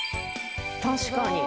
確かに。